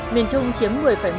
miền trung chiếm một mươi một